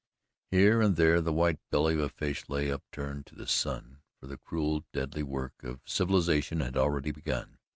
Here and there the white belly of a fish lay upturned to the sun, for the cruel, deadly work of civilization had already begun.